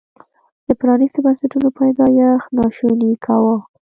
د پرانیستو بنسټونو پیدایښت ناشونی کاوه.